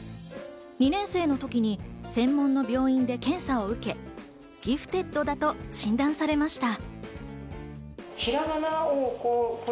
２年生の時に専門の病院で検査を受け、ギフテッドだと診断されました。